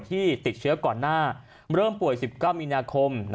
ที่ติดเชื้อก่อนหน้าเริ่มป่วย๑๙มีนาคม